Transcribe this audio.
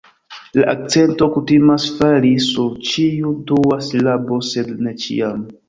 La akcento kutimas fali sur ĉiu dua silabo sed ne ĉiam